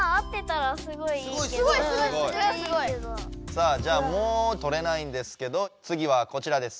さあじゃあもうとれないんですけどつぎはこちらです。